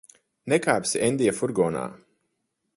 Nekāpsi Endija furgonā.